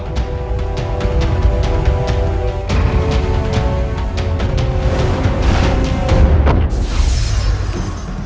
ketika kita bisa selamat kita harus menghindari mereka